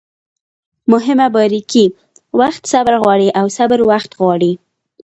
مهمه باریکي: وخت صبر غواړي او صبر وخت غواړي